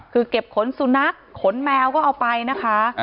คือเก็บขนสุนัขขนแมวก็เอาไปนะคะ